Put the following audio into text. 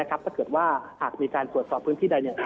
ถ้าเกิดว่าหากมีการตรวจสอบพื้นที่ใด